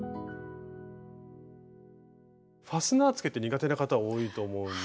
ファスナーつけって苦手な方多いと思うんですよ。